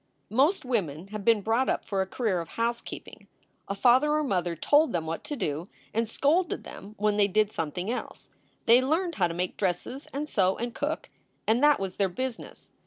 Most women have been brought up for a career of house keeping. A father or mother told them what to do, and scolded them when they did something else. They learned how to make dresses and sew and cook, and that was their business.